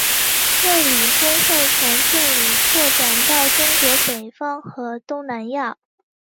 卫理公会从这里扩展到中国北方和东南亚。